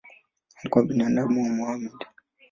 Alikuwa binamu wa Mohamed.